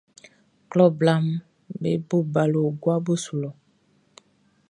Klɔ blaʼm be bo balo guabo su lɔ.